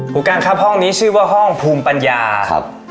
กันครับห้องนี้ชื่อว่าห้องภูมิปัญญาครับ